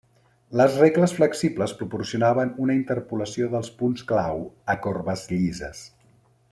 Les regles flexibles proporcionaven una interpolació dels punts clau a corbes llises.